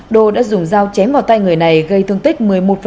đô đã dùng dao chém vào tay người này gây thương tích một mươi một